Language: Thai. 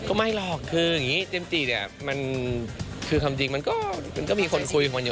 ไม่หรอกคืออย่างนี้เจมส์จีเนี่ยมันคือความจริงมันก็มีคนคุยกับคนอยู่